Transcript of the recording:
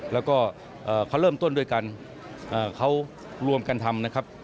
แล้วก็เขาเริ่มต้นด้วยกันเขารวมกันทำนะครับ